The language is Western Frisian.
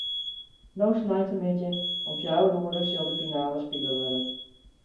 No sneintemiddei om fjouwer oere sil de finale spile wurde.